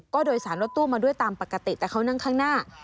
ก็โดยสารรถตู้มาด้วยตามปกติแต่เขานั่งข้างหน้า